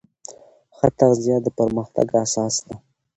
ښه تغذیه د پرمختګ اساس ده.